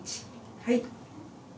はい。